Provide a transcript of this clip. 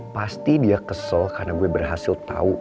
pasti dia kesel karena gue berhasil tau